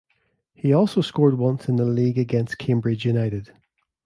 He also scored once in the league against Cambridge United.